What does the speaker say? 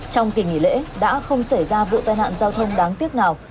trong kỳ nghỉ lễ đã không xảy ra vụ tai nạn giao thông đáng tiếc nào